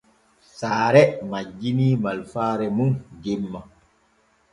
Saare majjinii malfaare mum jemma.